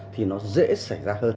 thì nó dễ xảy ra hơn